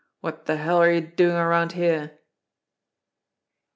What the hell are you doing around here?"